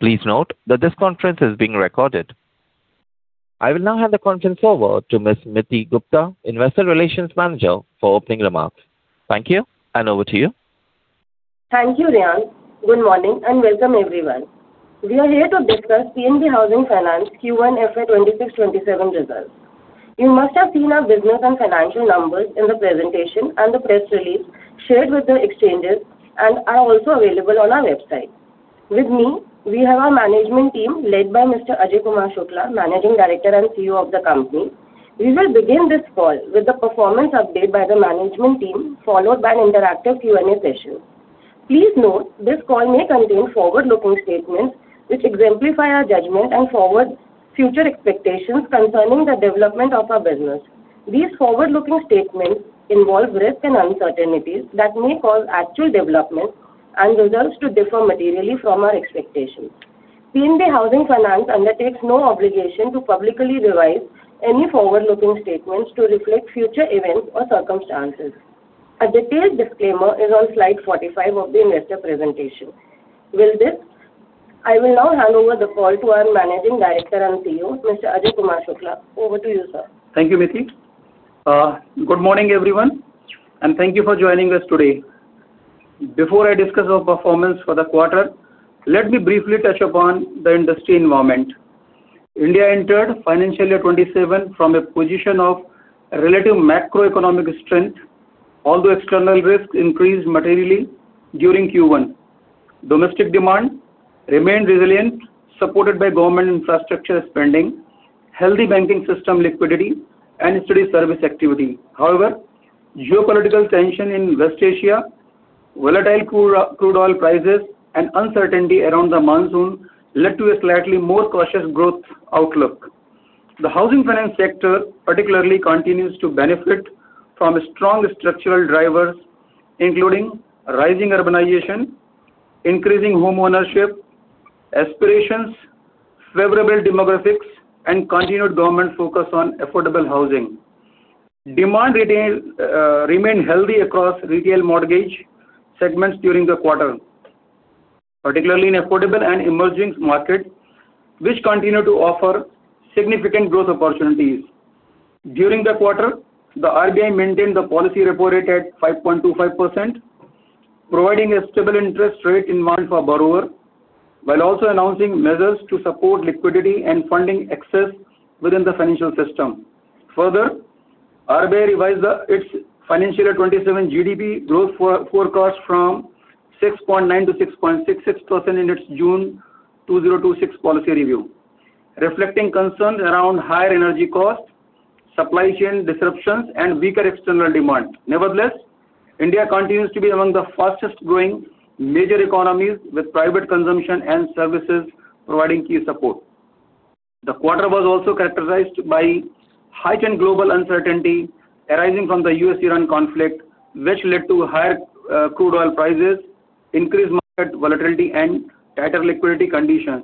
Please note that this conference is being recorded. I will now hand the conference over to Ms. Miti Gupta, Investor Relations Manager, for opening remarks. Thank you, and over to you. Thank you, Ryan. Good morning, and welcome, everyone. We are here to discuss PNB Housing Finance Q1 FY 2026/2027 results. You must have seen our business and financial numbers in the presentation and the press release shared with the exchanges and are also available on our website. With me, we have our management team led by Mr. Ajai Kumar Shukla, Managing Director and CEO of the company. We will begin this call with the performance update by the management team, followed by an interactive Q&A session. Please note, this call may contain forward-looking statements which exemplify our judgment and future expectations concerning the development of our business. These forward-looking statements involve risks and uncertainties that may cause actual developments and results to differ materially from our expectations. PNB Housing Finance undertakes no obligation to publicly revise any forward-looking statements to reflect future events or circumstances. A detailed disclaimer is on slide 45 of the investor presentation. With this, I will now hand over the call to our Managing Director and CEO, Mr. Ajai Kumar Shukla. Over to you, sir. Thank you, Miti. Good morning, everyone, and thank you for joining us today. Before I discuss our performance for the quarter, let me briefly touch upon the industry environment. India entered financial year 2027 from a position of relative macroeconomic strength, although external risks increased materially during Q1. Domestic demand remained resilient, supported by government infrastructure spending, healthy banking system liquidity, and steady service activity. However, geopolitical tension in West Asia, volatile crude oil prices, and uncertainty around the monsoon led to a slightly more cautious growth outlook. The housing finance sector particularly continues to benefit from strong structural drivers, including rising urbanization, increasing homeownership aspirations, favorable demographics, and continued government focus on affordable housing. Demand remained healthy across retail mortgage segments during the quarter, particularly in affordable and emerging markets, which continue to offer significant growth opportunities. During the quarter, the RBI maintained the policy repo rate at 5.25%, providing a stable interest rate environment for borrowers, while also announcing measures to support liquidity and funding access within the financial system. RBI revised its FY 2027 GDP growth forecast from 6.9% to 6.66% in its June 2026 policy review, reflecting concerns around higher energy costs, supply chain disruptions, and weaker external demand. India continues to be among the fastest-growing major economies, with private consumption and services providing key support. The quarter was also characterized by heightened global uncertainty arising from the US-Iran conflict, which led to higher crude oil prices, increased market volatility, and tighter liquidity conditions.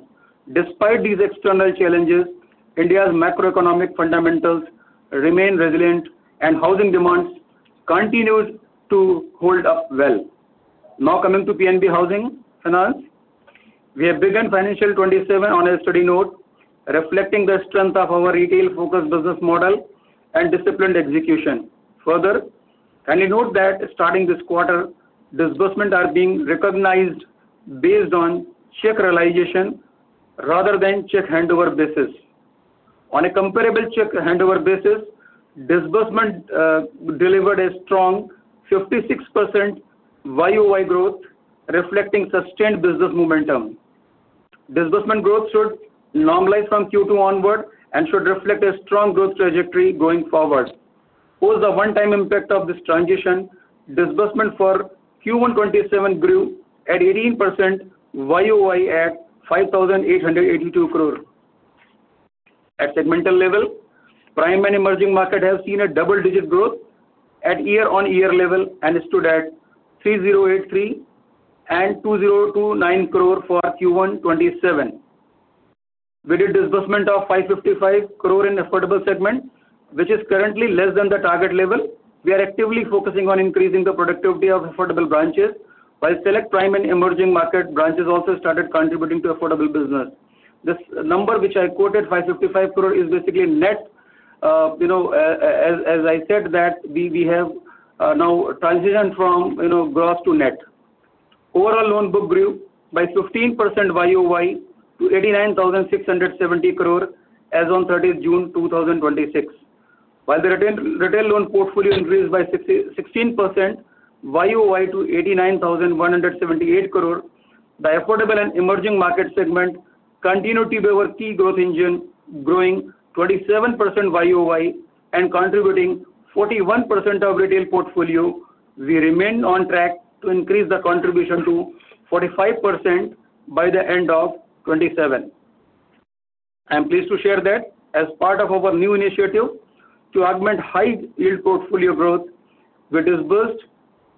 Despite these external challenges, India's macroeconomic fundamentals remain resilient and housing demand continues to hold up well. Coming to PNB Housing Finance. We have begun FY 2027 on a steady note, reflecting the strength of our retail-focused business model and disciplined execution. Kindly note that starting this quarter, disbursements are being recognized based on check realization rather than check handover basis. On a comparable check handover basis, disbursement delivered a strong 56% YoY growth, reflecting sustained business momentum. Disbursement growth should normalize from Q2 onward and should reflect a strong growth trajectory going forward. Post the one-time impact of this transition, disbursement for Q1 2027 grew at 18% YoY at 5,882 crore. At segmental level, prime and emerging markets have seen a double-digit growth at year-on-year level and stood at 3,083 crore and 2,029 crore for Q1 2027. We did disbursement of 555 crore in affordable segment, which is currently less than the target level. We are actively focusing on increasing the productivity of affordable branches, while select prime and emerging market branches also started contributing to affordable business. This number which I quoted, 555 crore, is basically net. As I said, we have now transitioned from gross to net. Overall loan book grew by 15% YoY to 89,670 crore as on 30th June 2026. While the retail loan portfolio increased by 16% YoY to 89,178 crore, the affordable and emerging market segment continued to be our key growth engine, growing 27% YoY and contributing 41% of retail portfolio. We remain on track to increase the contribution to 45% by the end of 2027. I am pleased to share that as part of our new initiative to augment high yield portfolio growth, we disbursed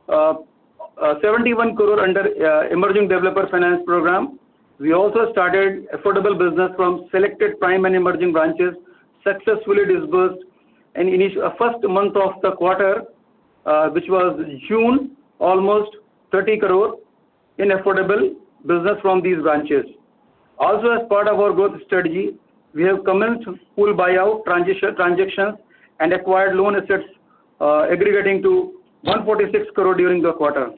71 crore under emerging developer finance program. We also started affordable business from selected prime and emerging branches, successfully disbursed in first month of the quarter, which was June, almost 30 crore in affordable business from these branches. As part of our growth strategy, we have commenced full buyout transactions and acquired loan assets aggregating to 146 crore during the quarter.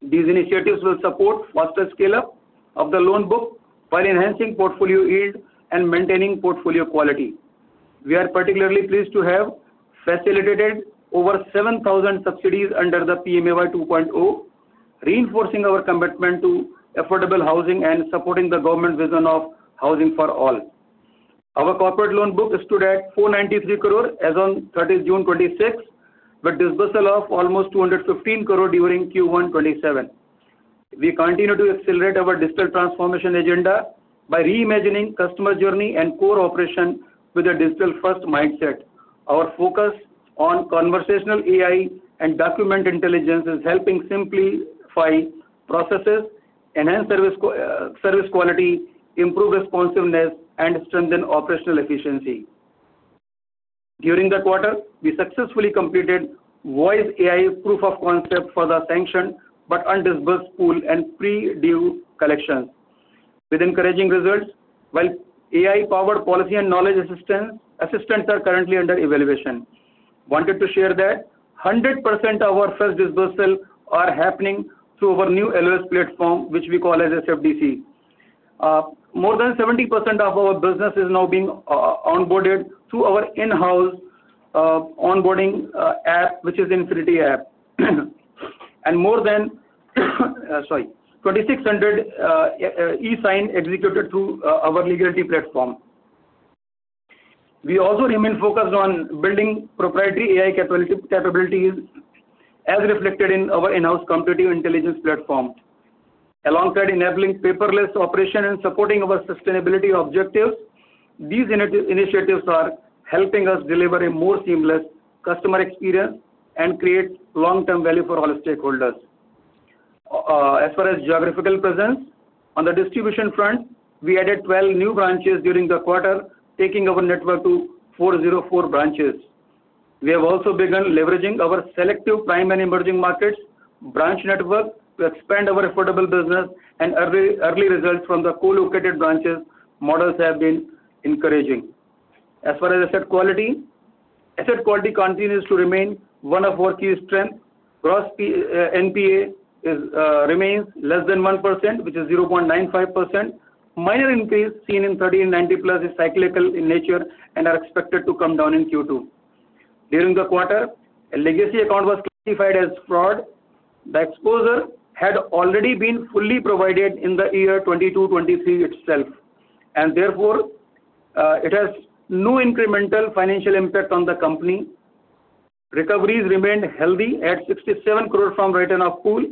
These initiatives will support faster scale-up of the loan book while enhancing portfolio yield and maintaining portfolio quality. We are particularly pleased to have facilitated over 7,000 subsidies under the Pradhan Mantri Awas Yojana 2.0, reinforcing our commitment to affordable housing and supporting the government vision of housing for all. Our corporate loan book stood at 493 crore as on 30th June 2026, with disbursement of almost 215 crore during Q1 2027. We continue to accelerate our digital transformation agenda by reimagining customer journey and core operation with a digital-first mindset. Our focus on conversational AI and document intelligence is helping simplify processes, enhance service quality, improve responsiveness, and strengthen operational efficiency. During the quarter, we successfully completed voice AI proof of concept for the sanction but undisbursed pool and pre-due collections with encouraging results, while AI-powered policy and knowledge assistants are currently under evaluation. Wanted to share that 100% of our first dispersal are happening through our new LOS platform, which we call as SFDC. More than 70% of our business is now being onboarded through our in-house onboarding app, which is Infinity app. More than 2,600 e-sign executed through our Leegality platform. We also remain focused on building proprietary AI capabilities as reflected in our in-house competitive intelligence platform. Alongside enabling paperless operation and supporting our sustainability objectives, these initiatives are helping us deliver a more seamless customer experience and create long-term value for all stakeholders. As far as geographical presence, on the distribution front, we added 12 new branches during the quarter, taking our network to 404 branches. We have also begun leveraging our selective prime and emerging markets branch network to expand our affordable business, and early results from the co-located branches models have been encouraging. As far as asset quality, asset quality continues to remain one of our key strengths. Gross NPA remains less than 1%, which is 0.95%. Minor increase seen in 30 and 90+ is cyclical in nature and are expected to come down in Q2. During the quarter, a legacy account was classified as fraud. The exposure had already been fully provided in the year 2022/2023 itself, and therefore, it has no incremental financial impact on the company. Recoveries remained healthy at 67 crore from write-off pool,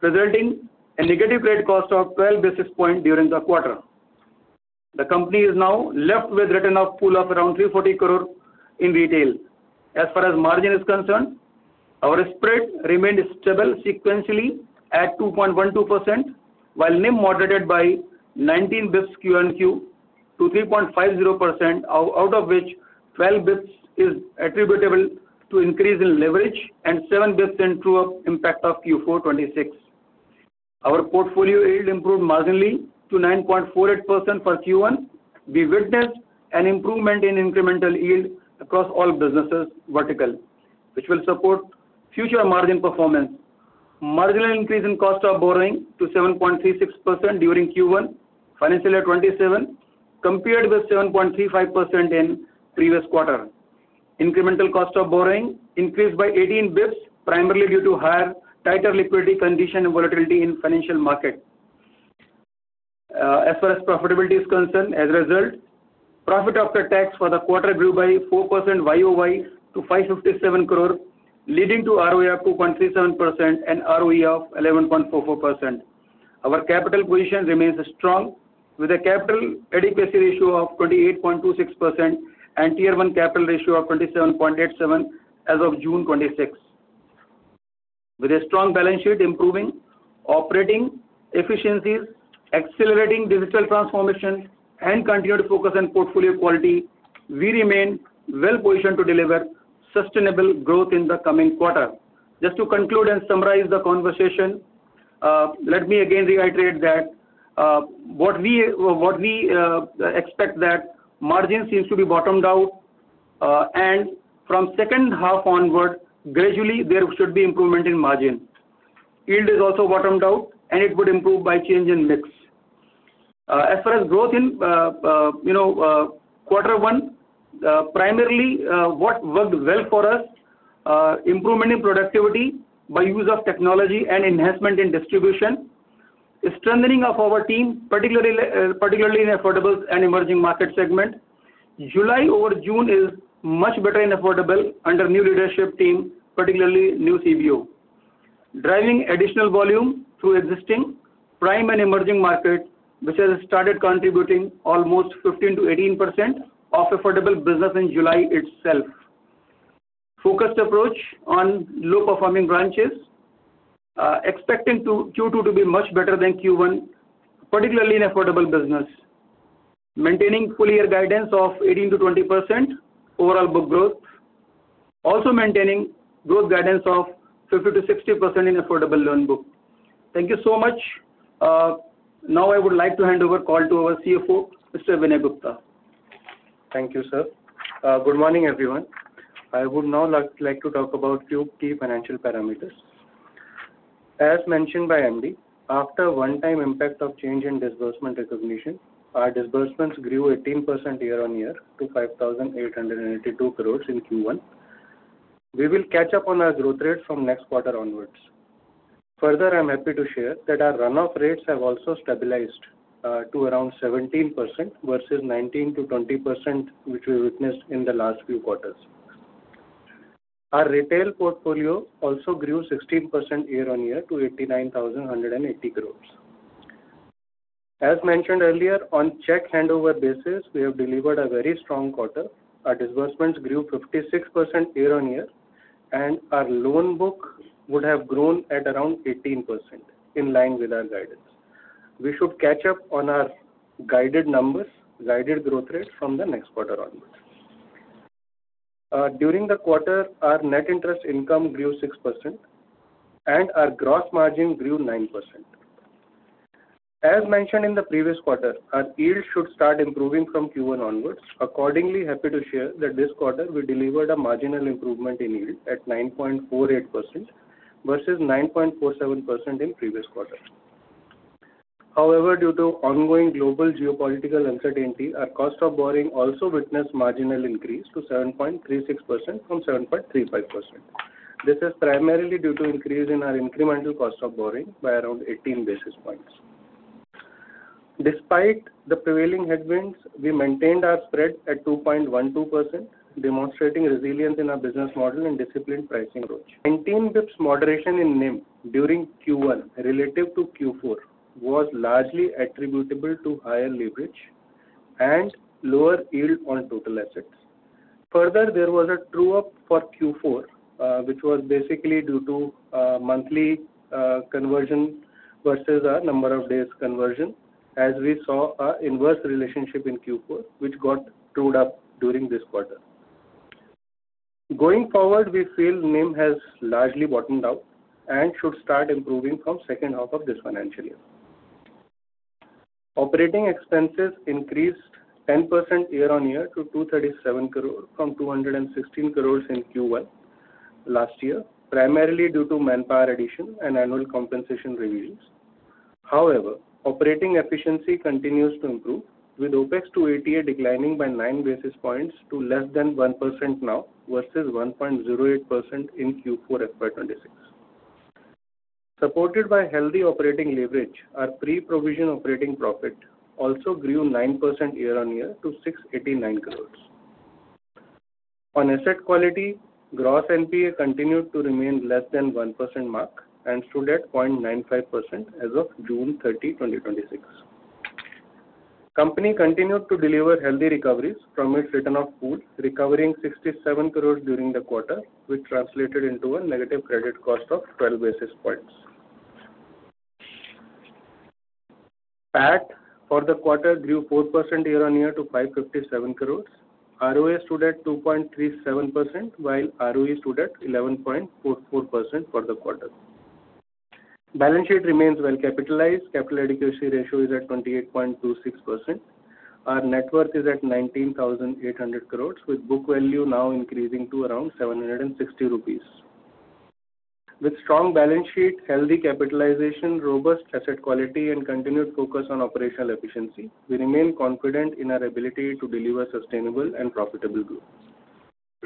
resulting in a negative write cost of 12 basis points during the quarter. The company is now left with write-off pool of around 340 crore in retail. As far as margin is concerned, our spread remained stable sequentially at 2.12%, while NIM moderated by 19 basis points QoQ to 3.50%, out of which 12 basis points is attributable to increase in leverage and 7 basis points in true-up impact of Q4 2026. Our portfolio yield improved marginally to 9.48% for Q1. We witnessed an improvement in incremental yield across all businesses vertical, which will support future margin performance. Marginal increase in cost of borrowing to 7.36% during Q1 financial year 2027, compared with 7.35% in previous quarter. Incremental cost of borrowing increased by 18 basis points, primarily due to higher, tighter liquidity condition and volatility in financial market. As far as profitability is concerned, as a result, profit after tax for the quarter grew by 4% YoY to 557 crore, leading to ROA of 2.37% and ROE of 11.44%. Our capital position remains strong with a capital adequacy ratio of 28.26% and Tier 1 capital ratio of 27.87% as of June 2026. With a strong balance sheet, improving operating efficiencies, accelerating digital transformation and continued focus on portfolio quality, we remain well-positioned to deliver sustainable growth in the coming quarter. Just to conclude and summarize the conversation, let me again reiterate that what we expect that margin seems to be bottomed out, and from second half onward, gradually there should be improvement in margin. Yield is also bottomed out, and it would improve by change in mix. As far as growth in quarter one, primarily, what worked well for us, improvement in productivity by use of technology and enhancement in distribution, strengthening of our team, particularly in affordable and emerging market segment. July over June is much better in affordable under new leadership team, particularly new CBO. Driving additional volume through existing prime and emerging markets, which has started contributing almost 15%-18% of affordable business in July itself. Focused approach on low-performing branches. Expecting Q2 to be much better than Q1, particularly in affordable business. Maintaining full year guidance of 18%-20% overall book growth. Also maintaining growth guidance of 50%-60% in affordable loan book. Thank you so much. Now I would like to hand over call to our CFO, Mr. Vinay Gupta. Thank you, sir. Good morning, everyone. I would now like to talk about few key financial parameters. As mentioned by MD, after one time impact of change in disbursement recognition, our disbursements grew 18% year-on-year to 5,882 crore in Q1. We will catch up on our growth rate from next quarter onwards. Further, I am happy to share that our runoff rates have also stabilized to around 17% versus 19%-20%, which we witnessed in the last few quarters. Our retail portfolio also grew 16% year-on-year to 89,180 crore. As mentioned earlier, on check handover basis, we have delivered a very strong quarter. Our disbursements grew 56% year-on-year, and our loan book would have grown at around 18%, in line with our guidance. We should catch up on our guided numbers, guided growth rate from the next quarter onwards. During the quarter, our net interest income grew 6% and our gross margin grew 9%. As mentioned in the previous quarter, our yield should start improving from Q1 onwards. Accordingly, happy to share that this quarter we delivered a marginal improvement in yield at 9.48% versus 9.47% in previous quarter. However, due to ongoing global geopolitical uncertainty, our cost of borrowing also witnessed marginal increase to 7.36% from 7.35%. This is primarily due to increase in our incremental cost of borrowing by around 18 basis points. Despite the prevailing headwinds, we maintained our spread at 2.12%, demonstrating resilience in our business model and disciplined pricing approach. 19 basis points moderation in NIM during Q1 relative to Q4 was largely attributable to higher leverage and lower yield on total assets. There was a true-up for Q4, which was basically due to monthly conversion versus our number of days conversion, as we saw our inverse relationship in Q4, which got trued up during this quarter. Going forward, we feel NIM has largely bottomed out and should start improving from second half of this financial year. Operating expenses increased 10% year-on-year to 237 crore from 216 crore in Q1 last year, primarily due to manpower addition and annual compensation reviews. However, operating efficiency continues to improve, with OpEx to ATA declining by nine basis points to less than 1% now versus 1.08% in Q4 FY 2026. Supported by healthy operating leverage, our pre-provision operating profit also grew 9% year-on-year to 689 crore. On asset quality, gross NPA continued to remain less than 1% mark and stood at 0.95% as of June 30, 2026. Company continued to deliver healthy recoveries from its written-off pool, recovering 67 crore during the quarter, which translated into a negative credit cost of 12 basis points. PAT for the quarter grew 4% year-on-year to 557 crore. ROA stood at 2.37%, while ROE stood at 11.44% for the quarter. Balance sheet remains well capitalized. Capital adequacy ratio is at 28.26%. Our net worth is at 19,800 crore, with book value now increasing to around 760 rupees. With strong balance sheet, healthy capitalization, robust asset quality, and continued focus on operational efficiency, we remain confident in our ability to deliver sustainable and profitable growth.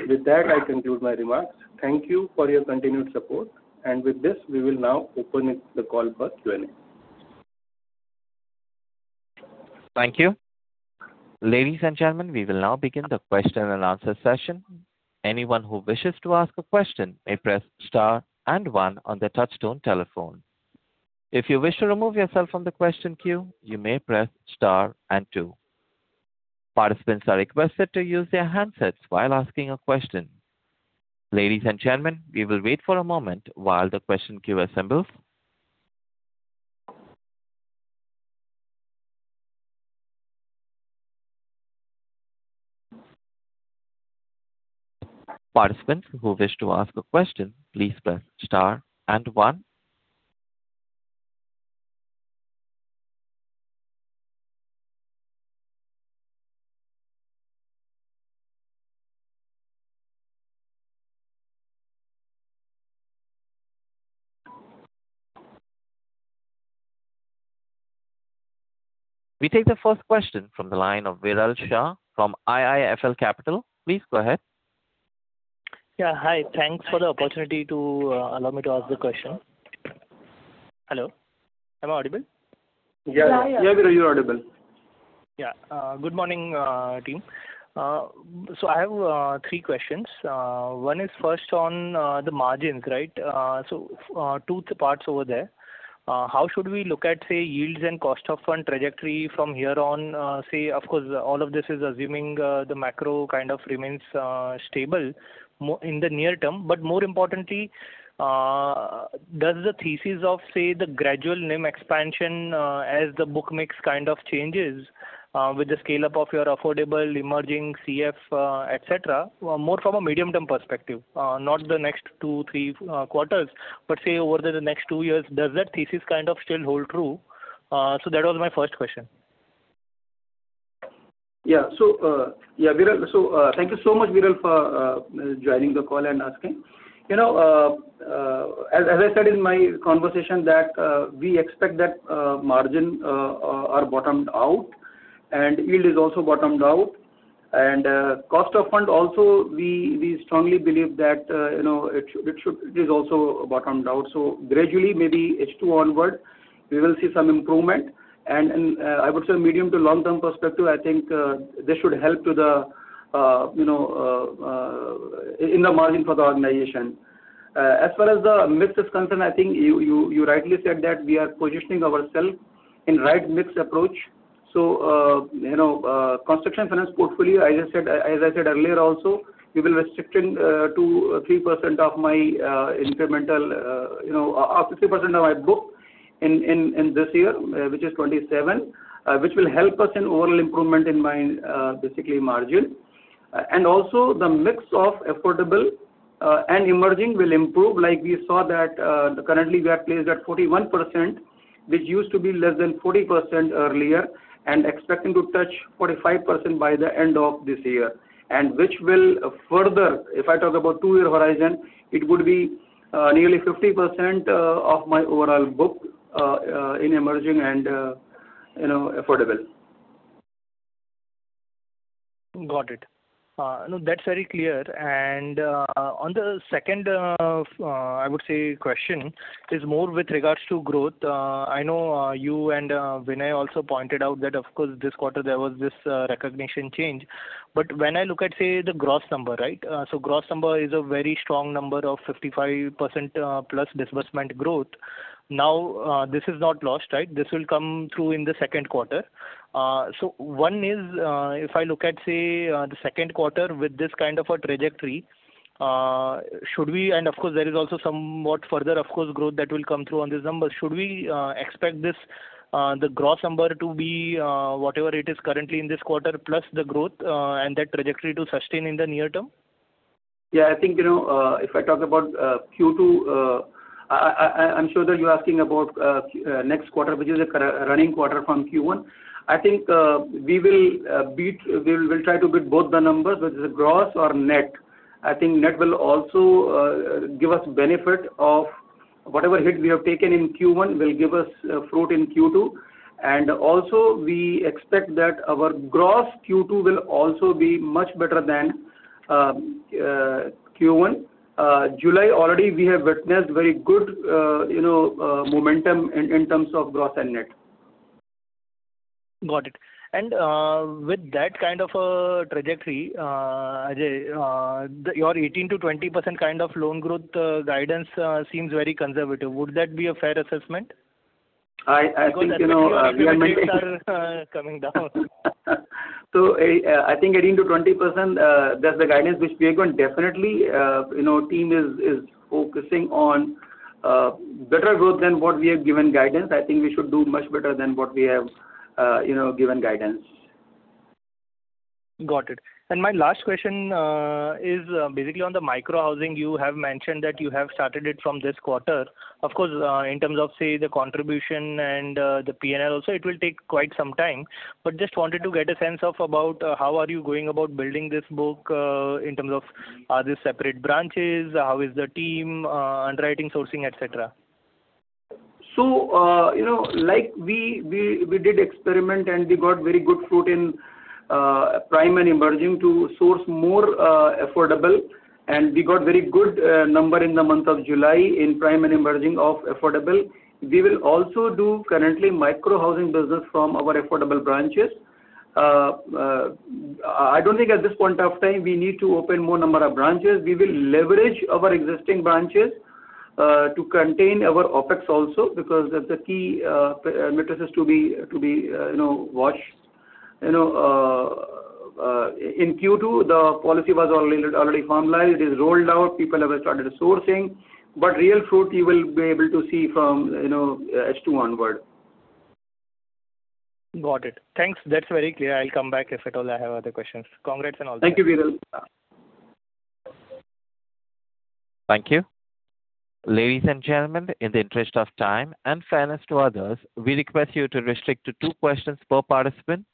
With that, I conclude my remarks. Thank you for your continued support. With this, we will now open the call for Q&A. Thank you. Ladies and gentlemen, we will now begin the question-and-answer session. Anyone who wishes to ask a question may press star one on their touchtone telephone. If you wish to remove yourself from the question queue, you may press star two. Participants are requested to use their handsets while asking a question. Ladies and gentlemen, we will wait for a moment while the question queue assembles. Participants who wish to ask a question, please press star and one. We take the first question from the line of Viral Shah from IIFL Capital. Please go ahead. Yeah. Hi. Thanks for the opportunity to allow me to ask the question. Hello, am I audible? Yeah. Yeah. You're audible. Yeah. Good morning, team. I have three questions. One is first on the margins, right? Two parts over there. How should we look at, say, yields and cost of fund trajectory from here on? Say, of course, all of this is assuming the macro kind of remains stable in the near term. But more importantly, does the thesis of, say, the gradual NIM expansion as the book mix kind of changes, with the scale-up of your affordable, emerging CF, et cetera, more from a medium-term perspective, not the next two, three quarters, but, say, over the next two years. Does that thesis kind of still hold true? That was my first question. Yeah. Thank you so much, Viral, for joining the call and asking. As I said in my conversation that we expect that margin are bottomed out and yield is also bottomed out. Cost of fund also, we strongly believe that it is also bottomed out. Gradually, maybe H2 onward, we will see some improvement. I would say medium to long-term perspective, I think this should help in the margin for the organization. As far as the mix is concerned, I think you rightly said that we are positioning ourself in right mix approach. construction finance portfolio, as I said earlier also, we will restricting to 3% of my book in this year, which is 2027, which will help us in overall improvement in my basically margin. Also the mix of affordable and emerging will improve. Like we saw that currently we are placed at 41%, which used to be less than 40% earlier, and expecting to touch 45% by the end of this year. Which will further, if I talk about two-year horizon, it would be nearly 50% of my overall book in emerging and affordable. Got it. No, that's very clear. On the second, I would say question is more with regards to growth. I know you and Vinay also pointed out that of course this quarter there was this recognition change. When I look at, say, the gross number. Gross number is a very strong number of 55%+ disbursement growth. This is not lost. This will come through in the second quarter. One is, if I look at, say, the second quarter with this kind of a trajectory, and of course there is also somewhat further growth that will come through on this number. Should we expect the gross number to be whatever it is currently in this quarter, plus the growth, and that trajectory to sustain in the near term? Yeah, I think, if I talk about Q2, I'm sure that you're asking about next quarter, which is a running quarter from Q1. I think we will try to beat both the numbers, which is gross or net. I think net will also give us benefit of whatever hit we have taken in Q1 will give us fruit in Q2. Also we expect that our gross Q2 will also be much better than Q1. July already we have witnessed very good momentum in terms of gross and net. Got it. With that kind of a trajectory, Ajai, your 18%-20% kind of loan growth guidance seems very conservative. Would that be a fair assessment? I think. Because rates are coming down. I think 18%-20%, that's the guidance which we are going definitely. Team is focusing on better growth than what we have given guidance. I think we should do much better than what we have given guidance. Got it. My last question is basically on the micro-housing. You have mentioned that you have started it from this quarter. Of course, in terms of say, the contribution and the P&L also, it will take quite some time. Just wanted to get a sense of about how are you going about building this book in terms of are there separate branches, how is the team, underwriting, sourcing, et cetera? We did experiment and we got very good fruit in prime and emerging to source more affordable. We got very good number in the month of July in prime and emerging of affordable. We will also do currently micro-housing business from our affordable branches. I don't think at this point of time we need to open more number of branches. We will leverage our existing branches to contain our OpEx also because that's the key metrics to be watched. In Q2, the policy was already formalized. It is rolled out. People have started sourcing, but real fruit you will be able to see from H2 onward. Got it. Thanks. That's very clear. I'll come back if at all I have other questions. Congrats and all the best. Thank you, Viral. Thank you. Ladies and gentlemen, in the interest of time and fairness to others, we request you to restrict to two questions per participant.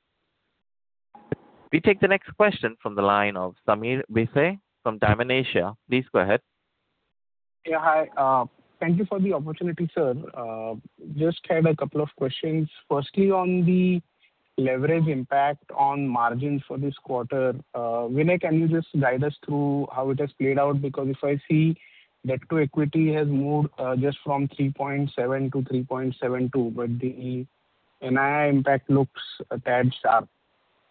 We take the next question from the line of Sameer Bhise from Dymon Asia. Please go ahead. Yeah. Hi. Thank you for the opportunity, sir. Just had a couple of questions. Firstly, on the leverage impact on margins for this quarter. Vinay, can you just guide us through how it has played out? Because if I see, debt to equity has moved just from 3.7x-3.72x, but the NII impact looks a tad sharp.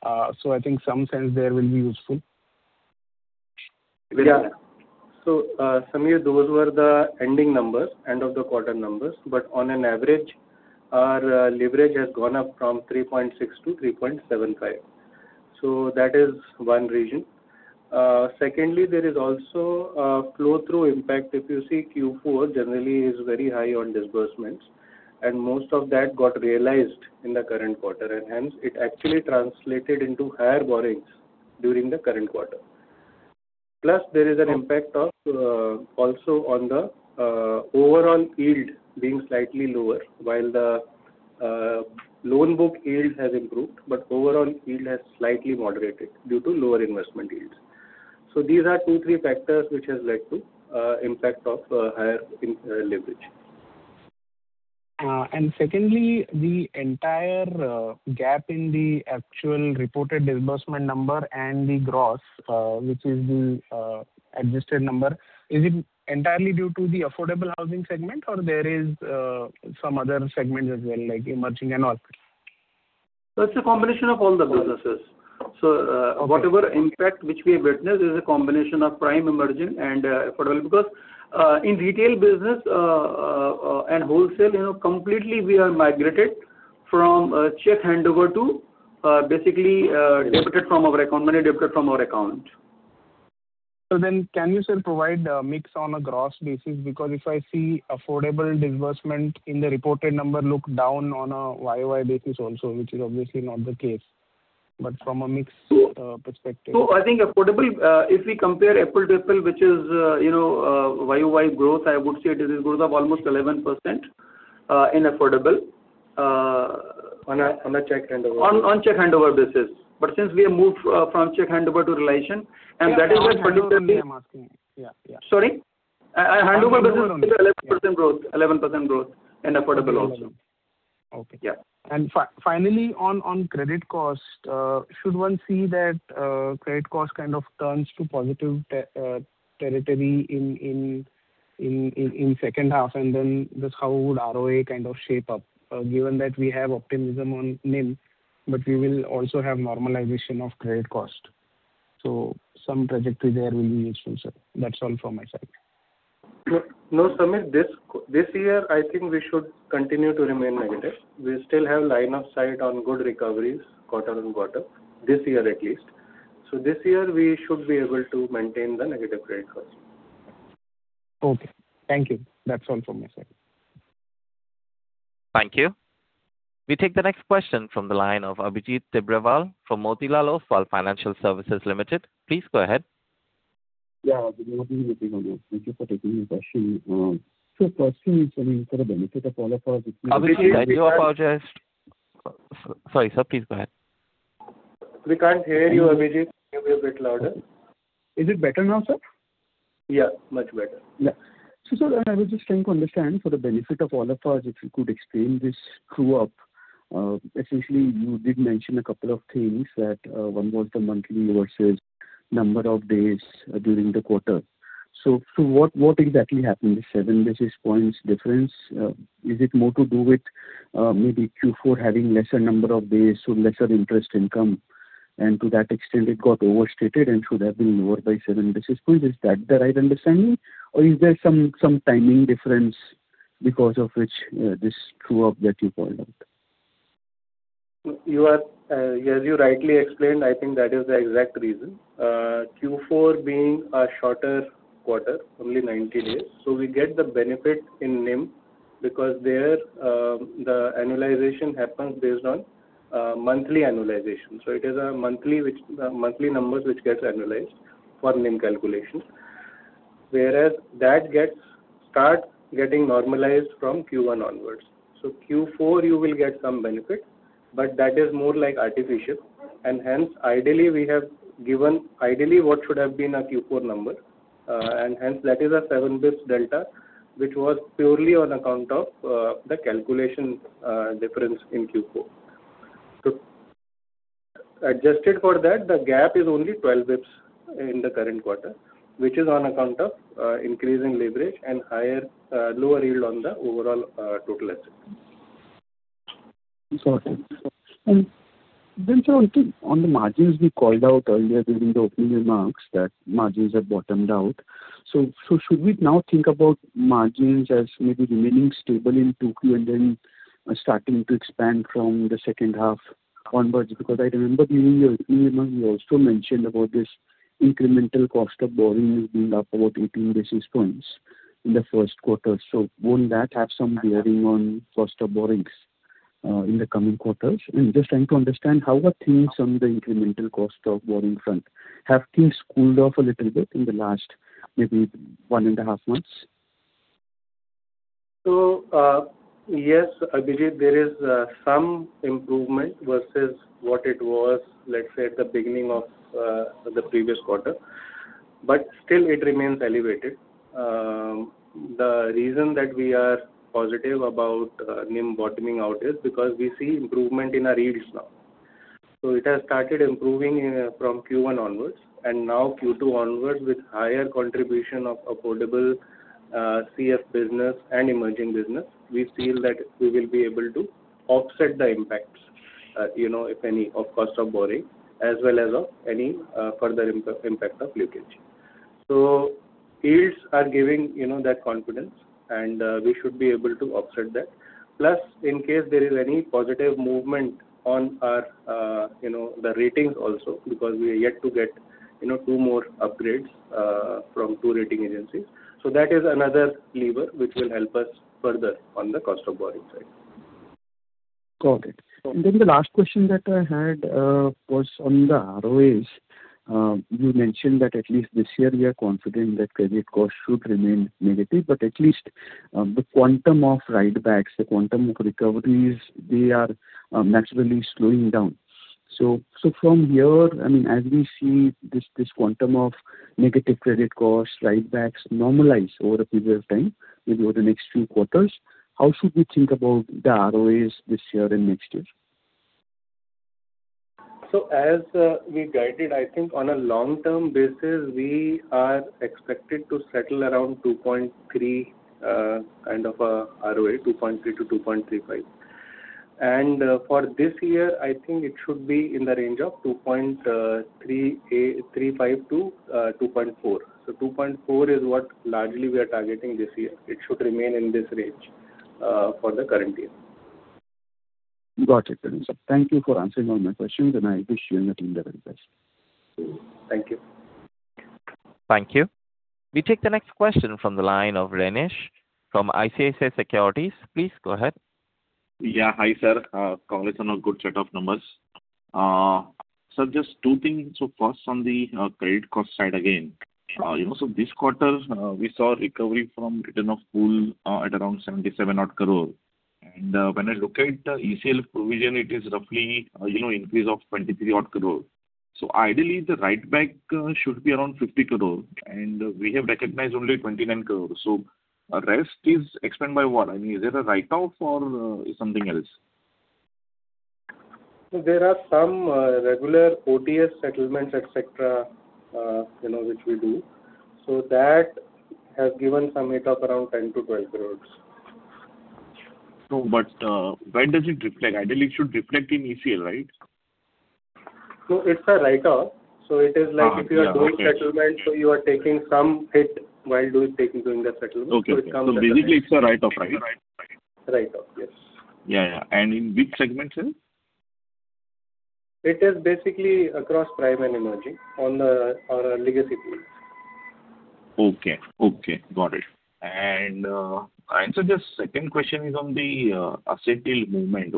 I think some sense there will be useful. Vinay. Yeah. Sameer, those were the ending numbers, end of the quarter numbers. On an average, our leverage has gone up from 3.6x-3.75x. That is one reason. Secondly, there is also a flow-through impact. If you see Q4 generally is very high on disbursements, and most of that got realized in the current quarter and hence it actually translated into higher borrowings during the current quarter. Plus there is an impact also on the overall yield being slightly lower while the loan book yield has improved, but overall yield has slightly moderated due to lower investment yields. These are two, three factors which has led to impact of higher leverage. Secondly, the entire gap in the actual reported disbursement number and the gross, which is the adjusted number, is it entirely due to the affordable housing segment or there is some other segment as well, like emerging and all? It's a combination of all the businesses. Whatever impact which we have witnessed is a combination of prime emerging and affordable. Because in retail business and wholesale, completely we are migrated from check handover to basically money debited from our account. Can you still provide a mix on a gross basis? Because if I see affordable disbursement in the reported number look down on a YoY basis also, which is obviously not the case. I think affordable, if we compare apple to apple, which is YoY growth, I would say it is growth of almost 11% in affordable. On a check handover. On check handover, since we have moved from check handover to realization, and that is where. That's what exactly I'm asking. Yeah. Sorry. Handover basis is 11% growth in affordable also. Okay. Yeah. Finally, on credit cost, should one see that credit cost kind of turns to positive territory in second half? Just how would ROA kind of shape up, given that we have optimism on NIM, but we will also have normalization of credit cost. Some trajectory there will be useful, sir. That's all from my side. No, Sameer. This year, I think we should continue to remain negative. We still have line of sight on good recoveries quarter-on-quarter this year, at least. This year, we should be able to maintain the negative credit cost. Okay. Thank you. That's all from my side. Thank you. We take the next question from the line of Abhijit Tibrewal from Motilal Oswal Financial Services Limited. Please go ahead. Yeah. Good morning, everyone. Thank you for taking the question. First thing, for the benefit of all of us- Abhijit, I do apologize. Sorry, sir. Please go ahead. We can't hear you, Abhijit. Can you be a bit louder? Is it better now, sir? Yeah, much better. Sir, I was just trying to understand for the benefit of all of us, if you could explain this true-up. Essentially, you did mention a couple of things that one was the monthly versus number of days during the quarter. What exactly happened, the seven basis points difference? Is it more to do with maybe Q4 having lesser number of days, so lesser interest income, and to that extent it got overstated and should have been lower by seven basis points? Is that the right understanding? Or is there some timing difference because of which this true-up that you pointed out? As you rightly explained, I think that is the exact reason. Q4 being a shorter quarter, only 90 days. We get the benefit in NIM because there the annualization happens based on monthly annualization. It is monthly numbers which gets annualized for NIM calculations. Whereas that start getting normalized from Q1 onwards. Q4, you will get some benefit, but that is more like artificial, and hence ideally what should have been a Q4 number. Hence that is a seven basis points delta, which was purely on account of the calculation difference in Q4. Adjusted for that, the gap is only 12 basis points in the current quarter, which is on account of increasing leverage and lower yield on the overall total assets. Got it. Then, sir, on the margins we called out earlier during the opening remarks that margins have bottomed out. Should we now think about margins as maybe remaining stable in 2Q and then starting to expand from the second half onwards? I remember during your opening remarks, you also mentioned about this incremental cost of borrowing is being up about 18 basis points in the first quarter. Won't that have some bearing on cost of borrowings in the coming quarters? I'm just trying to understand how are things on the incremental cost of borrowing front. Have things cooled off a little bit in the last maybe one and a half months? Yes, Abhijit, there is some improvement versus what it was, let's say at the beginning of the previous quarter. Still it remains elevated. The reason that we are positive about NIM bottoming out is because we see improvement in our yields now. It has started improving from Q1 onwards, and now Q2 onwards with higher contribution of affordable CF business and emerging business. We feel that we will be able to offset the impacts, if any, of cost of borrowing as well as of any further impact of leakage. Yields are giving that confidence, and we should be able to offset that. In case there is any positive movement on the ratings also, because we are yet to get two more upgrades from two rating agencies. That is another lever which will help us further on the cost of borrowing side. Got it. The last question that I had was on the ROAs. You mentioned that at least this year we are confident that credit costs should remain negative, but at least the quantum of write-backs, the quantum of recoveries, they are naturally slowing down. From here, as we see this quantum of negative credit costs write-backs normalize over a period of time, maybe over the next few quarters, how should we think about the ROAs this year and next year? As we guided, I think on a long-term basis, we are expected to settle around 2.3 kind of a ROA, 2.3%-2.35%. For this year, I think it should be in the range of 2.35%-2.4%. 2.4% is what largely we are targeting this year. It should remain in this range for the current year. Got it. Thank you for answering all my questions. I wish you and your team the very best. Thank you. Thank you. We take the next question from the line of Renish from ICICI Securities. Please go ahead. Hi, sir. Congratulations on a good set of numbers. First, on the credit cost side again. This quarter, we saw recovery from written-off pool at around 77 crore. When I look at ECL provision, it is roughly an increase of 23 crore. Ideally, the write-back should be around 50 crore, and we have recognized only 21 crore. Rest is explained by what? I mean, is it a write-off or something else? There are some regular OTS settlements, et cetera, which we do. That has given some hit of around 10 crore-12 crore. Where does it reflect? Ideally, it should reflect in ECL, right? It's a write-off. It is like if you are doing settlement, you are taking some hit while doing the settlement. Okay. Basically it's a write-off. Write-off, yes. Yeah. In which segment, sir? It is basically across prime and emerging on our legacy piece. Okay. Got it. Just second question is on the asset yield movement.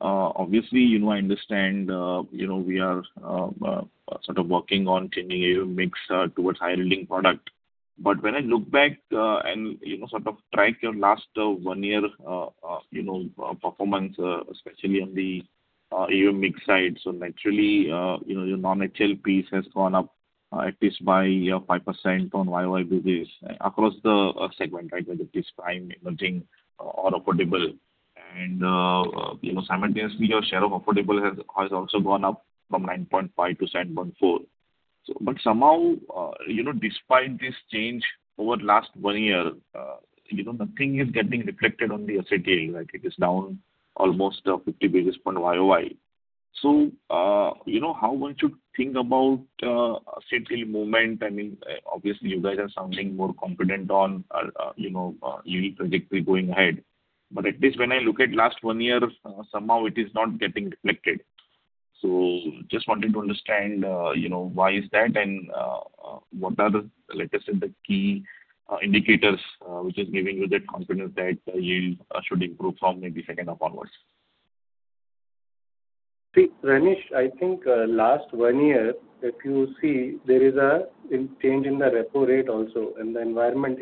Obviously, I understand we are sort of working on changing AUM mix towards high-yielding product. When I look back and sort of track your last one year performance, especially on the AUM mix side. Naturally, your non-HL piece has gone up at least by 5% on YoY basis across the segment, whether it is prime, emerging, or affordable. Simultaneously, your share of affordable has also gone up from 9.5% to 7.4%. Somehow, despite this change over last one year, nothing is getting reflected on the asset yield. Like it is down almost 50 basis points YoY. How one should think about asset yield movement? I mean, obviously you guys are sounding more confident on yield trajectory going ahead. At least when I look at last one year, somehow it is not getting reflected. Just wanted to understand why is that, and what are the, let us say, the key indicators, which is giving you that confidence that yield should improve from maybe second half onwards. Renish, I think last one year, if you see, there is a change in the repo rate also, and the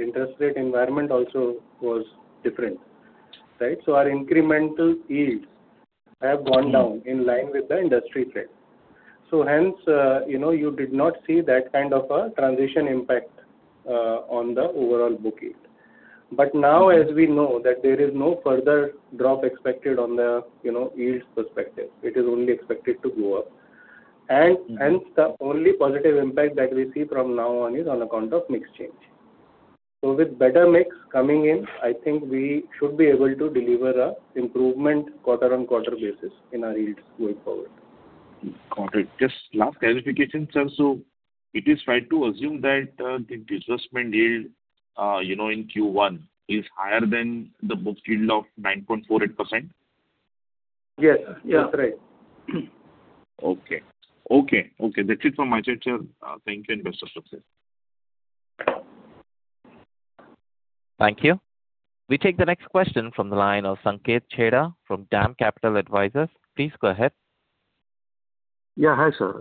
interest rate environment also was different. Right? Our incremental yields have gone down in line with the industry trend. Hence, you did not see that kind of a transition impact on the overall book yield. Now, as we know that there is no further drop expected on the yield perspective, it is only expected to go up. Hence the only positive impact that we see from now on is on account of mix change. With better mix coming in, I think we should be able to deliver an improvement quarter-on-quarter basis in our yields going forward. Got it. Just last clarification, sir. It is right to assume that the disbursement yield in Q1 is higher than the book yield of 9.48%? Yes. That's right. Okay. That's it from my side, sir. Thank you, and best of success. Thank you. We take the next question from the line of Sanket Chheda from DAM Capital Advisors. Please go ahead. Yeah. Hi, sir.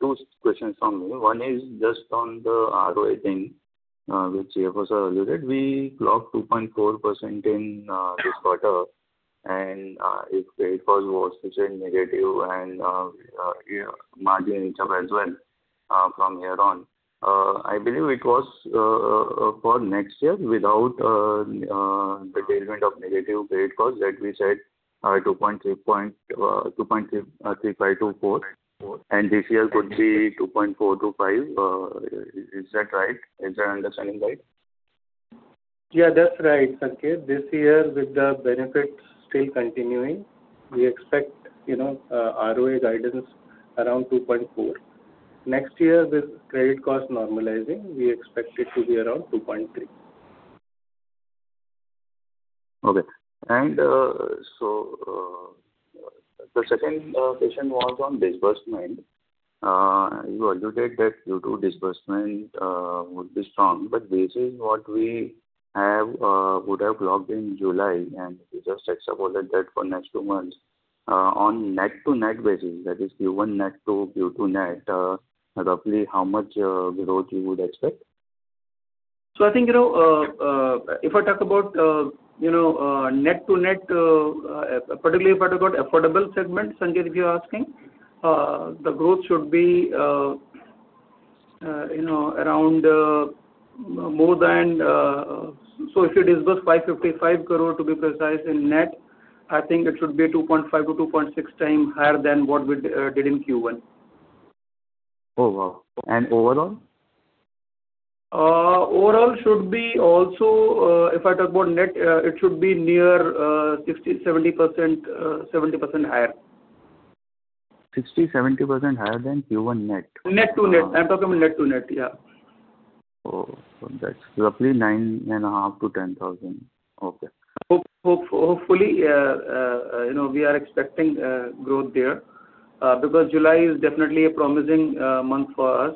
Two questions from me. One is just on the ROA thing which CFO, sir, alluded. We clocked 2.4% in this quarter, and it was versus negative and margin is up as well from here on. I believe it was for next year without the tailwind of negative credit cost that we said 2.35%-4%, and this year could be 2.4%-5%. Is that right? Is my understanding right? Yeah, that's right, Sanket. This year, with the benefits still continuing, we expect ROA guidance around 2.4%. Next year, with credit cost normalizing, we expect it to be around 2.3%. Okay. The second question was on disbursement. You alluded that Q2 disbursement would be strong, but this is what we would have locked in July, and we just extrapolated that for next two months. On net-to-net basis, that is Q1 net to Q2 net, roughly how much growth you would expect? I think, if I talk about net to net, particularly if I talk about affordable segment, Sanket, if you're asking, the growth should be around. If you disburse 555 crore to be precise in net, I think it should be 2.5x-2.6x higher than what we did in Q1. Oh, wow. Overall? Overall should be also, if I talk about net, it should be near 60%-70% higher. 60%-70% higher than Q1 net? Net to net. I'm talking about net to net, yeah. Oh, that's roughly 9,500-10,000. Okay. Hopefully. We are expecting growth there because July is definitely a promising month for us,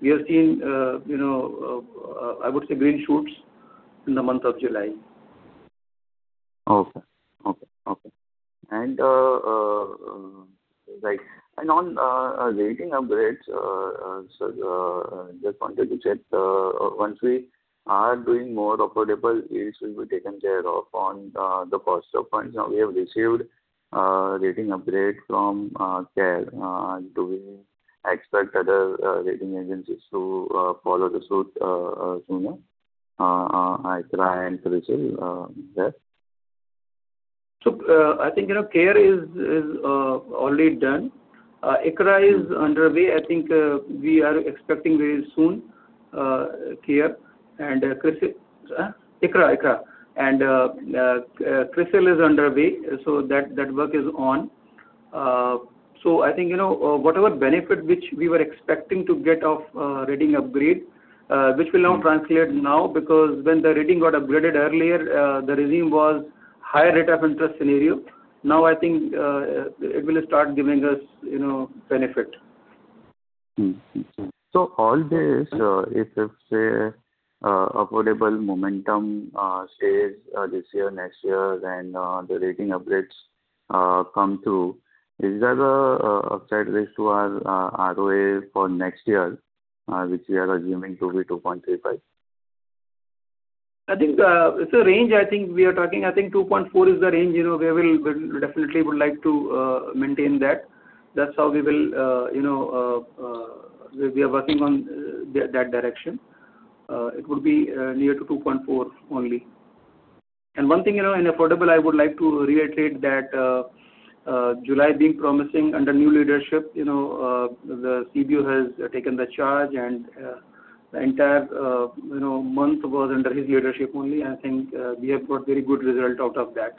we have seen, I would say, green shoots in the month of July. Okay. On rating upgrades, sir, just wanted to check, once we are doing more affordable, yields will be taken care of on the cost of funds. Now we have received a rating upgrade from CARE. Do we expect other rating agencies to follow the suit sooner, ICRA and CRISIL there? I think, CARE Ratings is already done. ICRA Limited is underway. I think we are expecting very soon CARE Ratings and CRISIL Limited-- Huh? ICRA Limited. And CRISIL Limited is underway. That work is on. I think, whatever benefit which we were expecting to get off rating upgrade which will now translate now, because when the rating got upgraded earlier, the regime was higher rate of interest scenario. Now I think it will start giving us benefit. All this, if it's a affordable momentum stays this year, next year, then the rating upgrades come through. Is there a upside risk to our ROA for next year, which we are assuming to be 2.35%? I think it's a range we are talking. I think 2.4% is the range. We definitely would like to maintain that. That's how we are working on that direction. It would be near to 2.4% only. One thing in affordable, I would like to reiterate that July being promising under new leadership. The CBO has taken the charge and the entire month was under his leadership only, and I think we have got very good result out of that.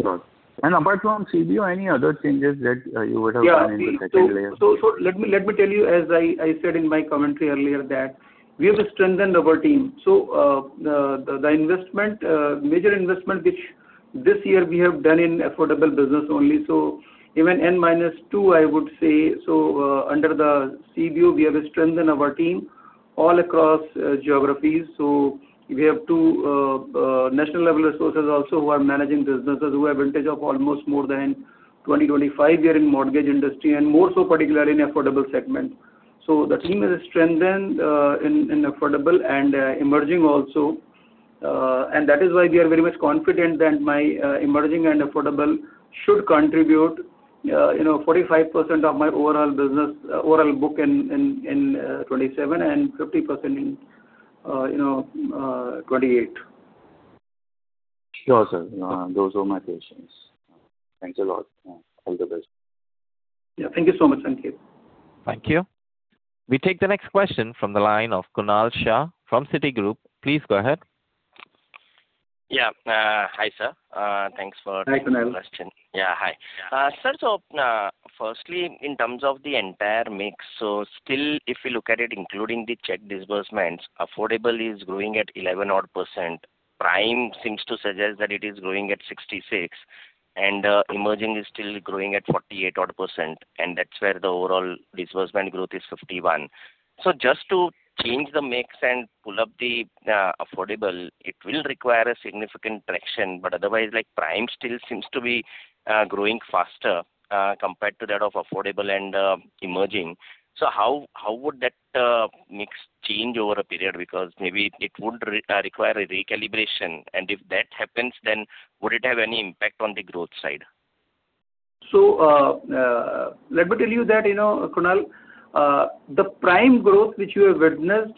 Sure. Apart from CBO, any other changes that you would have planned in the? Yeah. Let me tell you, as I said in my commentary earlier, that we have strengthened our team. The major investment which this year we have done in affordable business only. Even N - 2, I would say. Under the CBO, we have strengthened our team all across geographies. We have two national-level resources also who are managing businesses who have vintage of almost more than 20-25 years in mortgage industry, and more so particularly in affordable segment. The team has strengthened in affordable and emerging also. That is why we are very much confident that my emerging and affordable should contribute 45% of my overall book in 2027 and 50% in 2028. Sure, sir. Those were my questions. Thanks a lot. All the best. Yeah, thank you so much, Sanket. Thank you. We take the next question from the line of Kunal Shah from Citigroup. Please go ahead. Hi, sir. Thanks for taking the question. Hi, Kunal. Hi. Sir, firstly, in terms of the entire mix, still if you look at it, including the check disbursements, affordable is growing at 11%. Prime seems to suggest that it is growing at 66%, and emerging is still growing at 48%, and that is where the overall disbursement growth is 51%. Just to change the mix and pull up the affordable, it will require a significant traction. Otherwise, prime still seems to be growing faster compared to that of affordable and emerging. How would that mix change over a period? Because maybe it would require a recalibration, and if that happens, then would it have any impact on the growth side? Let me tell you that, Kunal, the prime growth which you have witnessed,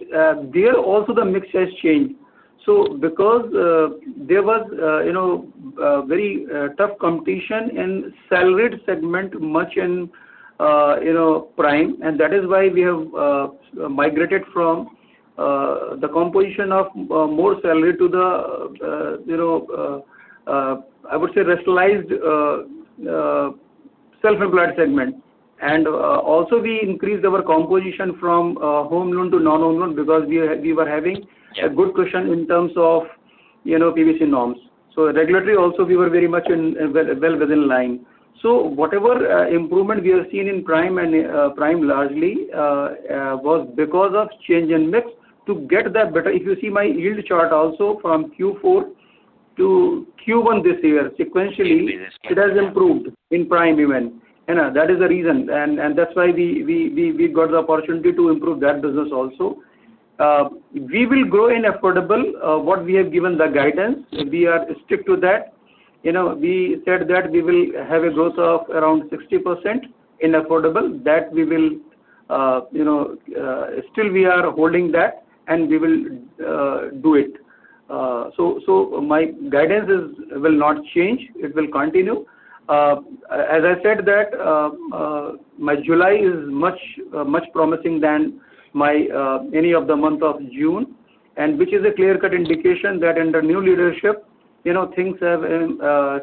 there also the mix has changed. Because there was very tough competition in salaried segment, much in prime, and that is why we have migrated from the composition of more salary to the, I would say risk-calibrated Self-employed segment. And also we increased our composition from home loan to non-home loan because we were having a good cushion in terms of PSL norms. Regulatory also, we were very much well within line. Whatever improvement we have seen in Prime largely, was because of change in mix to get that better. If you see my yield chart also from Q4 to Q1 this year, sequentially it has improved in Prime even. That is the reason, and that is why we got the opportunity to improve that business also. We will grow in affordable, what we have given the guidance, we are strict to that. We said that we will have a growth of around 60% in affordable. Still we are holding that and we will do it. My guidance will not change. It will continue. As I said that my July is much promising than my any of the month of June, which is a clear-cut indication that under new leadership things have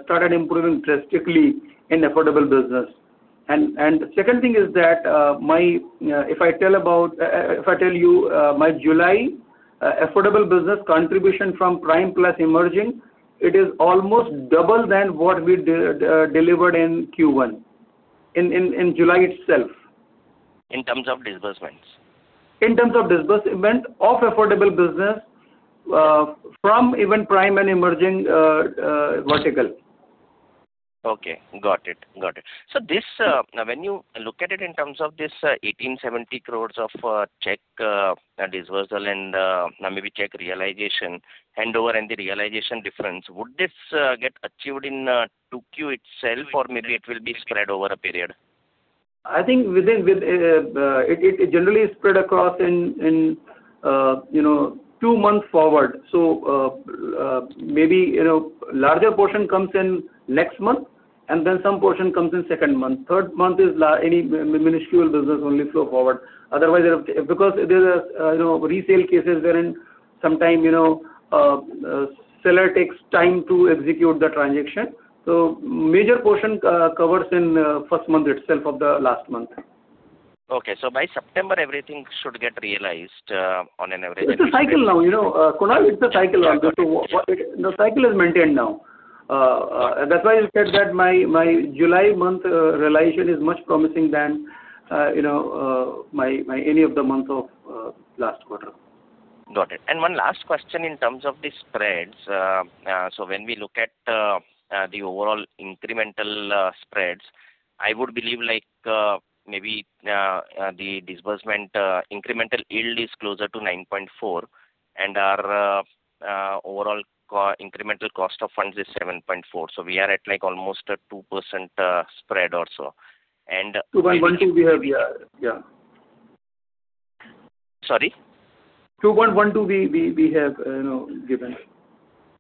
started improving drastically in affordable business. The second thing is that if I tell you my July affordable business contribution from Prime Plus emerging, it is almost double than what we delivered in Q1, in July itself. In terms of disbursements? In terms of disbursement of affordable business from even Prime and emerging vertical. Okay, got it. When you look at it in terms of this 1,870 crores of check dispersal and maybe check realization, handover and the realization difference, would this get achieved in 2Q itself or maybe it will be spread over a period? I think it generally spread across in two months forward. Maybe larger portion comes in next month and then some portion comes in second month. Third month is any minuscule business only flow forward. Because there is resale cases wherein sometime seller takes time to execute the transaction. Major portion covers in first month itself of the last month. By September everything should get realized on an average. It's a cycle now. Kunal, it's a cycle now. The cycle is maintained now. That's why I said that my July month realization is much promising than my any of the month of last quarter. Got it. One last question in terms of the spreads. When we look at the overall incremental spreads, I would believe like maybe the disbursement incremental yield is closer to 9.4% and our overall incremental cost of funds is 7.4%. We are at like almost a 2% spread or so. 2.12% we have, yeah. Sorry? 2.12% we have given.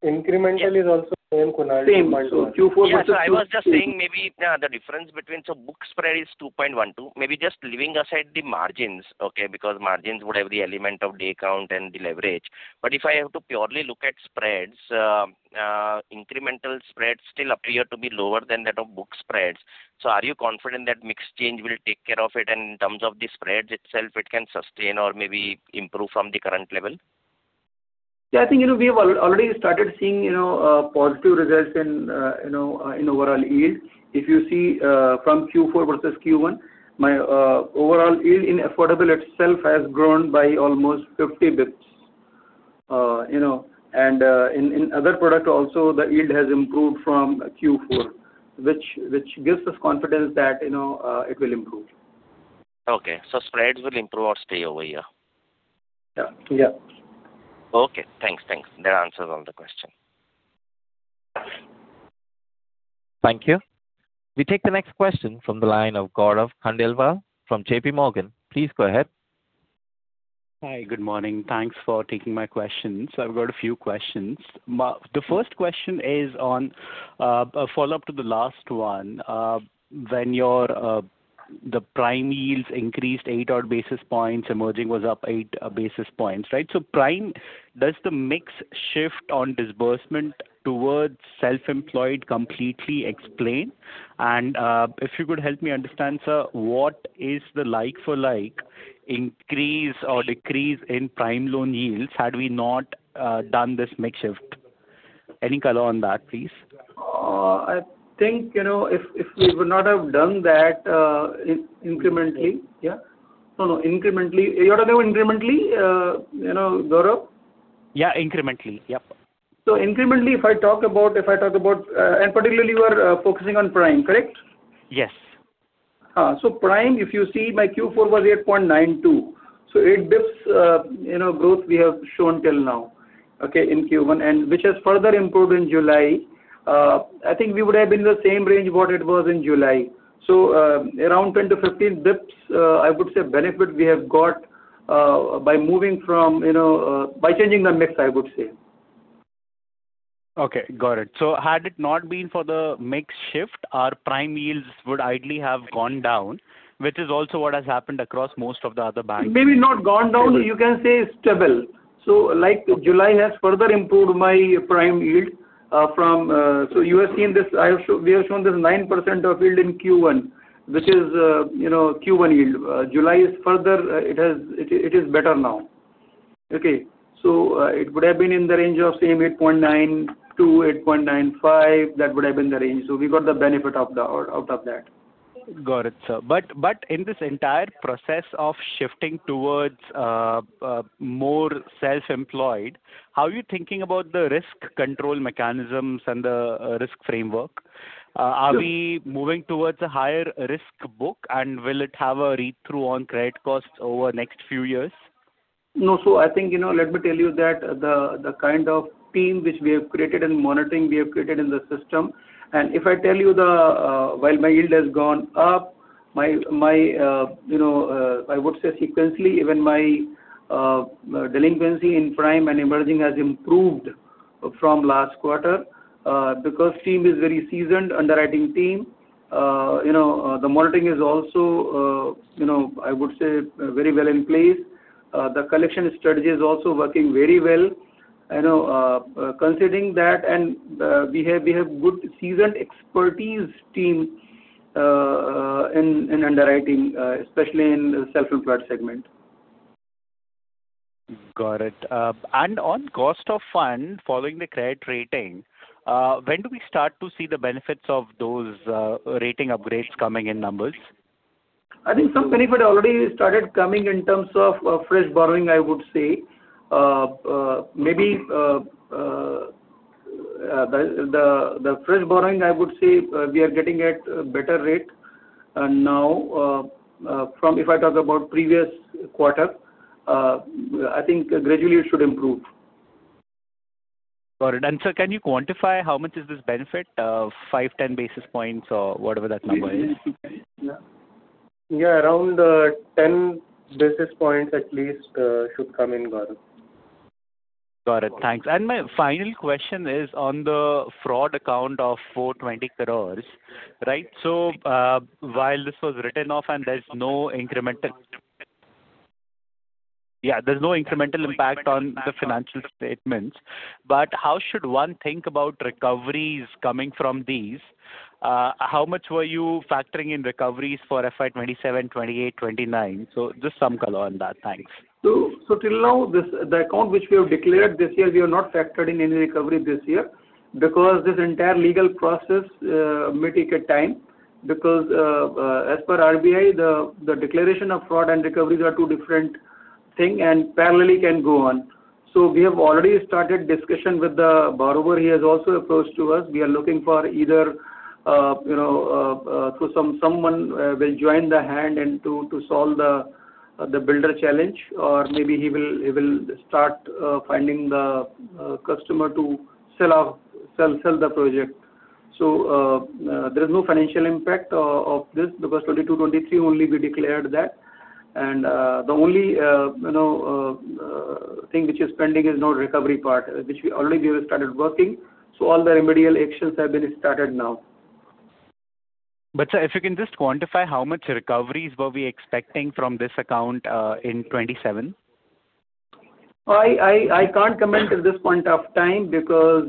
Incremental is also same, Kunal, 2.12%. Same. Q4 versus I was just saying maybe the difference between, so book spread is 2.2%. Maybe just leaving aside the margins, okay, because margins would have the element of day count and the leverage. If I have to purely look at spreads, incremental spreads still appear to be lower than that of book spreads. Are you confident that mix change will take care of it in terms of the spreads itself, it can sustain or maybe improve from the current level? I think we have already started seeing positive results in overall yield. If you see from Q4 versus Q1, my overall yield in affordable itself has grown by almost 50 basis points. In other product also the yield has improved from Q4, which gives us confidence that it will improve. Okay. Spreads will improve or stay over here? Yeah. Okay, thanks. That answers all the question. Thank you. We take the next question from the line of Gaurav Khandelwal from JPMorgan. Please go ahead. Hi, good morning. Thanks for taking my question. I've got a few questions. The first question is on a follow-up to the last one. When the prime yields increased eight odd basis points, emerging was up eight basis points, right? Prime, does the mix shift on disbursement towards self-employed completely explain? And if you could help me understand, sir, what is the like for like increase or decrease in prime loan yields had we not done this mix shift? Any color on that, please? I think if we would not have done that incrementally. Yeah. No, no, incrementally. You want to know incrementally, Gaurav? Yeah, incrementally. Yep. Incrementally, if I talk about, and particularly we're focusing on Prime, correct? Yes. Prime, if you see my Q4 was 8.92%. 8 basis points growth we have shown till now, okay, in Q1, and which has further improved in July. I think we would have been in the same range what it was in July. Around 10-15 basis points, I would say benefit we have got by changing the mix, I would say. Okay, got it. Had it not been for the mix shift, our Prime yields would ideally have gone down, which is also what has happened across most of the other banks. Maybe not gone down. You can say stable. July has further improved my Prime yield. You have seen this, we have shown this 9% of yield in Q1, which is Q1 yield. July is further, it is better now. Okay. It would have been in the range of same 8.92%-8.95%. That would have been the range. We got the benefit out of that. Got it, sir. In this entire process of shifting towards more self-employed, how are you thinking about the risk control mechanisms and the risk framework? Sure. Are we moving towards a higher risk book and will it have a read-through on credit costs over next few years? No. I think, let me tell you that the kind of team which we have created in monitoring, we have created in the system. If I tell you that while my yield has gone up, I would say sequentially even my delinquency in prime and emerging has improved from last quarter, because team is very seasoned, underwriting team. The monitoring is also, I would say, very well in place. The collection strategy is also working very well. Considering that and we have good seasoned expertise team in underwriting, especially in self-employed segment. Got it. On cost of fund, following the credit rating, when do we start to see the benefits of those rating upgrades coming in numbers? I think some benefit already started coming in terms of fresh borrowing, I would say. Maybe the fresh borrowing, I would say we are getting at a better rate now from if I talk about previous quarter. I think gradually it should improve. Got it. Sir, can you quantify how much is this benefit? Five, 10 basis points or whatever that number is? Yeah, around 10 basis points at least should come in, Gaurav. Got it. Thanks. My final question is on the fraud account of 420 crores, right? While this was written off and there's no incremental impact on the financial statements, how should one think about recoveries coming from these? How much were you factoring in recoveries for FY 2027, 2028, 2029? Just some color on that. Thanks. Till now, the account which we have declared this year, we have not factored in any recovery this year because this entire legal process may take a time because, as per RBI, the declaration of fraud and recoveries are two different things and parallelly can go on. We have already started discussion with the borrower. He has also approached us. We are looking for either through someone will join hands and to solve the builder challenge or maybe he will start finding the customer to sell the project. There is no financial impact of this because 2022, 2023 only we declared that. The only thing which is pending is now recovery part, which we already have started working. All the remedial actions have been started now. Sir, if you can just quantify how much recoveries were we expecting from this account, in 2027? I can't comment at this point of time because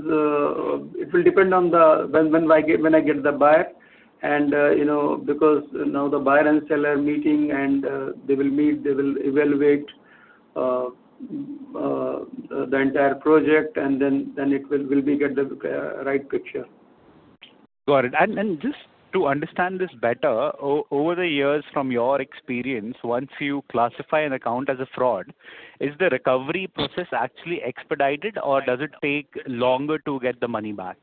it will depend on when I get the buyer and because now the buyer and seller meeting and they will meet, they will evaluate the entire project and then we will get the right picture. Got it. Just to understand this better, over the years from your experience, once you classify an account as a fraud, is the recovery process actually expedited or does it take longer to get the money back?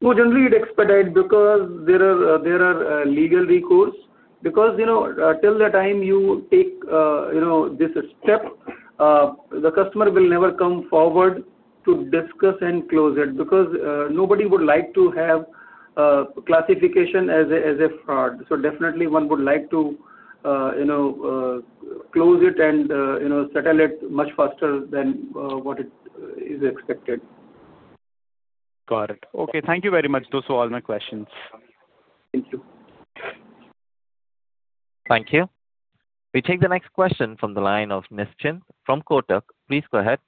No, generally it expedite because there are legal recourse because till the time you take this step, the customer will never come forward to discuss and close it because nobody would like to have a classification as a fraud. So definitely one would like to close it and settle it much faster than what is expected. Got it. Okay. Thank you very much. Those were all my questions. Thank you. Thank you. We take the next question from the line of Nischint from Kotak. Please go ahead.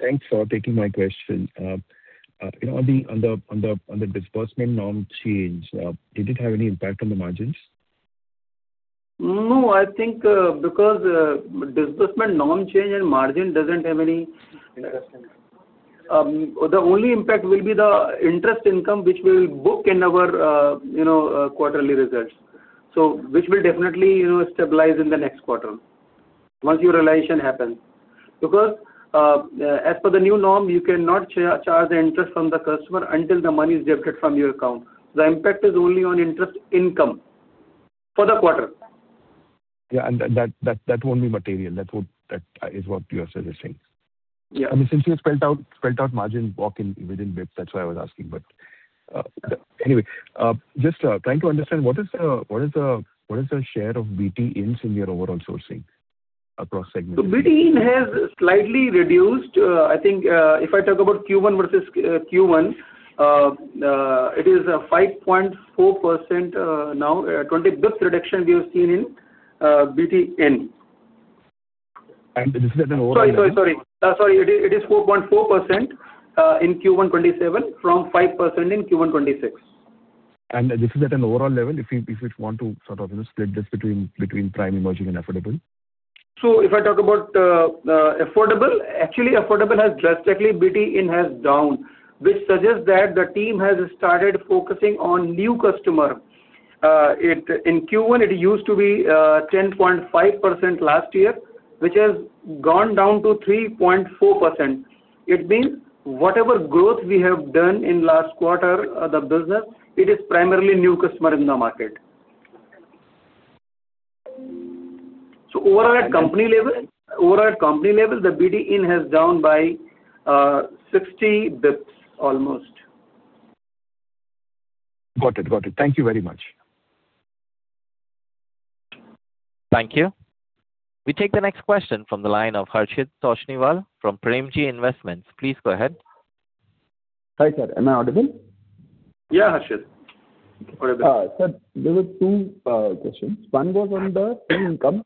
Thanks for taking my question. On the disbursement norm change, did it have any impact on the margins? No, I think because disbursement norm change and margin doesn't have. Interest income. The only impact will be the interest income which we will book in our quarterly results. Which will definitely stabilize in the next quarter once your realization happens. As per the new norm, you cannot charge the interest from the customer until the money is debited from your account. The impact is only on interest income for the quarter. Yeah, that won't be material. That is what you are suggesting. Yeah. I mean, since you spelled out margin walk within bits, that's why I was asking. Anyway, just trying to understand what is the share of BT-ins in your overall sourcing across segments? BT-in has slightly reduced. I think if I talk about Q1 versus Q1. It is 5.4% now. 20 basis points reduction we have seen in BT-in. This is at an overall level. Sorry. It is 4.4% in Q1 2027 from 5% in Q1 2026. This is at an overall level if we want to sort of split this between prime, emerging, and affordable? If I talk about affordable, actually affordable has drastically, BT-in has down, which suggests that the team has started focusing on new customer. In Q1, it used to be 10.5% last year, which has gone down to 3.4%. It means whatever growth we have done in last quarter, the business, it is primarily new customer in the market. Overall at company level, the BT-in has down by 60 basis points almost. Got it. Thank you very much. Thank you. We take the next question from the line of Harshit Toshniwal from Premji Invest. Please go ahead. Hi, sir. Am I audible? Yeah, Harshit. Go ahead. Sir, there were two questions. One was on the fee income.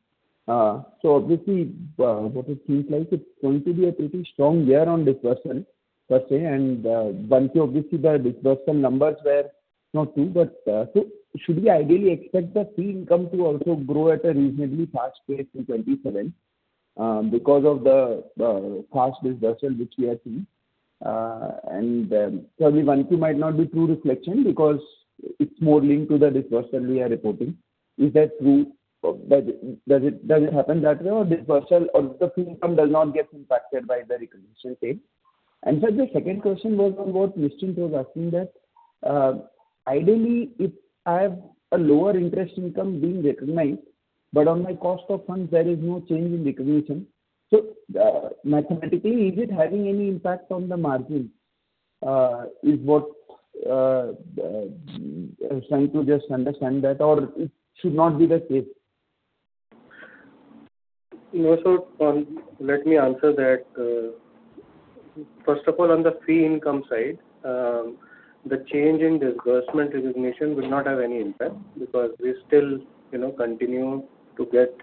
Obviously, what it seems like it's going to be a pretty strong year on disbursement, per se. One thing, obviously, the disbursement numbers were not seen, but, should we ideally expect the fee income to also grow at a reasonably fast pace in 2027 because of the fast dispersal which we have seen? Probably 1Q might not be true reflection because it's more linked to the dispersal we are reporting. Is that true? Does it happen that way or the fee income does not get impacted by the recognition phase? Sir, the second question was on what Nischint was asking that, ideally, if I have a lower interest income being recognized, but on my cost of funds, there is no change in recognition. Mathematically, is it having any impact on the margin? Is what I was trying to just understand that, or it should not be the case? No, let me answer that. First of all, on the fee income side, the change in disbursement recognition will not have any impact because we still continue to get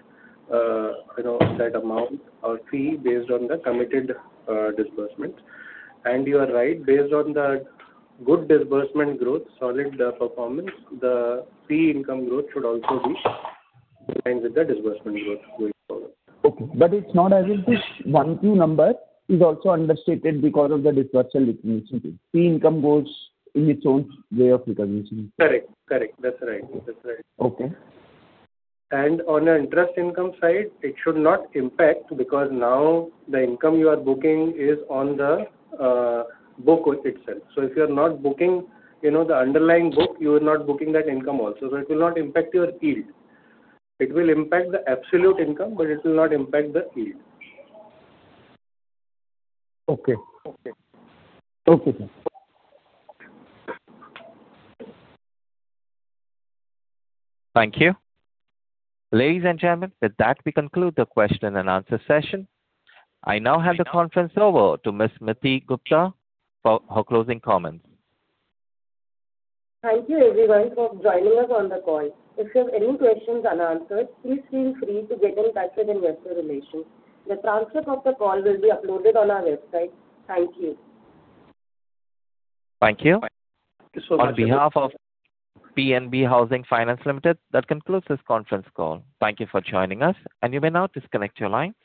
that amount or fee based on the committed disbursements. You are right, based on the good disbursement growth, solid performance, the fee income growth should also be in line with the disbursement growth going forward. Okay. It's not as if this 1Q number is also understated because of the disbursement recognition. Fee income goes in its own way of recognition. Correct. That's right. Okay. On an interest income side, it should not impact because now the income you are booking is on the book itself. If you're not booking the underlying book, you are not booking that income also. It will not impact your yield. It will impact the absolute income, but it will not impact the yield. Okay. Sir. Thank you. Ladies and gentlemen, with that, we conclude the question-and-answer session. I now hand the conference over to Ms. Miti Gupta for her closing comments. Thank you everyone for joining us on the call. If you have any questions unanswered, please feel free to get in touch with investor relations. The transcript of the call will be uploaded on our website. Thank you. Thank you. On behalf of PNB Housing Finance Limited, that concludes this conference call. Thank you for joining us, and you may now disconnect your line.